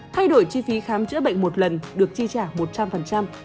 thay đổi chi phí khám chữa bệnh một lần được chi trả một trăm linh